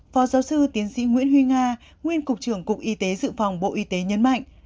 phó giáo sư tiến sĩ nguyễn huy nga nguyên cục trưởng cục y tế dự phòng bộ y tế nhấn mạnh